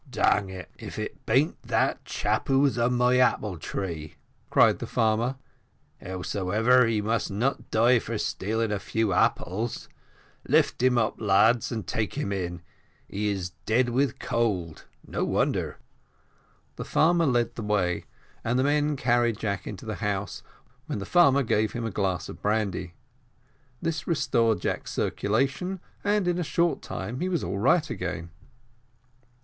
"Dang it, if it bean't that chap who was on my apple tree," cried the farmer "howsomever, he must not die for stealing a few apples; lift him up, lads, and take him in he is dead with cold no wonder." The farmer led the way, and the men carried Jack into the house, when the farmer gave him a glass of brandy; this restored Jack's circulation, and in a short time he was all right again.